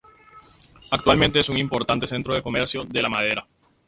Actualmente es un importante centro de comercio de la madera.